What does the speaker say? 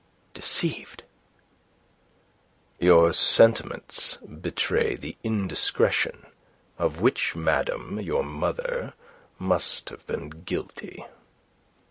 "Deceived?" "Your sentiments betray the indiscretion of which madame your mother must have been guilty."